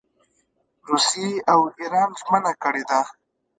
روسیې او اېران ژمنه کړې ده.